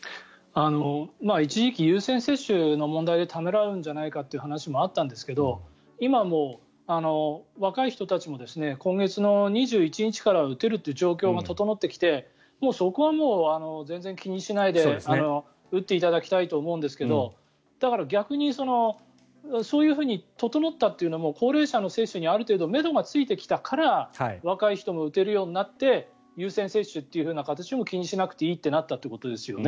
一時期、優先接種の問題でためらうんじゃないかという話しもあったんですけど今、若い人たちも今月の２１日から打てるという状況が整ってきてそこはもう、全然気にしないで打っていただきたいと思うんですけどだから、逆にそういうふうに整ったというのも高齢者の接種にある程度、めどがついてきたから若い人も打てるようになって優先接種も気にしなくていいとなったということですよね。